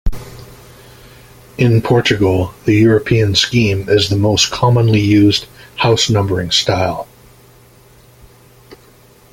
In Portugal, the European scheme is the most commonly used house numbering style.